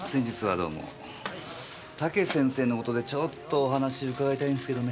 武先生のことでちょっとお話伺いたいんすけどね。